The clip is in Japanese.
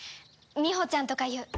みほちゃんとかいう。